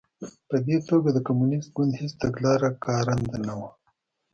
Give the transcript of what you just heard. په دې توګه د کمونېست ګوند هېڅ تګلاره کارنده نه وه